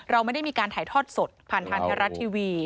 เราไม่ได้มีการถ่ายทอดสดผ่านทางไทยรัฐทีวี